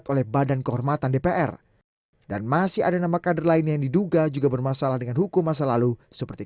oh oke bandara sana balik lagi